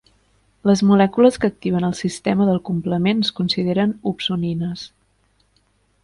Les molècules que activen el sistema del complement es consideren opsonines.